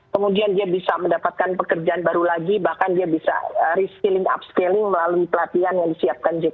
kemudian dia bisa mendapatkan pekerjaan baru lagi bahkan dia bisa reskilling upscaling melalui pelatihan yang disiapkan jk